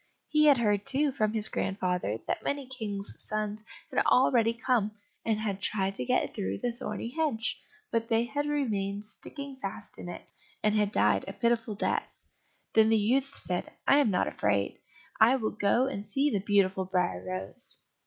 He had heard, too, from his grandfather, that many kings' sons had already come, and had tried to get through the thorny hedge, but they had remained sticking fast in it, and had died a pitiful death. Then the youth said, "I am not afraid, I will go and see the beautiful Briar rose."